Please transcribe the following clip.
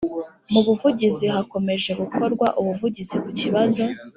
Mu buvugizi hakomeje gukorwa ubuvugizi ku bibazo .